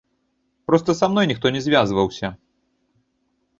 Проста са мной ніхто не звязваўся.